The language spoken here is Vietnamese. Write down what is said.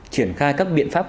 triển khai các biện pháp